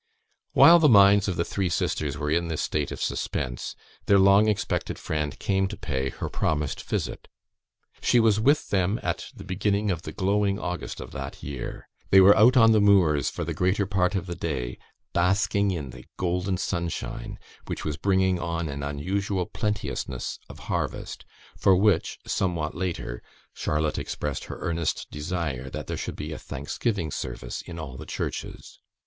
While the minds of the three sisters were in this state of suspense, their long expected friend came to pay her promised visit. She was with them at the beginning of the glowing August of that year. They were out on the moors for the greater part of the day basking in the golden sunshine, which was bringing on an unusual plenteousness of harvest, for which, somewhat later, Charlotte expressed her earnest desire that there should be a thanksgiving service in all the churches.